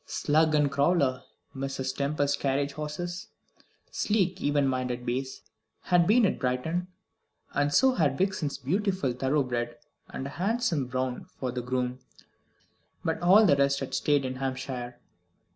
Slug and Crawler, Mrs. Tempest's carriage horses, sleek even minded bays, had been at Brighton, and so had Vixen's beautiful thorough bred, and a handsome brown for the groom; but all the rest had stayed in Hampshire.